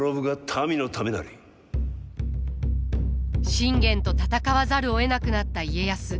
信玄と戦わざるをえなくなった家康。